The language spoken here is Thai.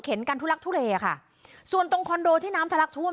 เข็นกันทุลักษณ์ทุเรค่ะส่วนตรงคอนโดที่น้ำทะลักษณ์ท่วม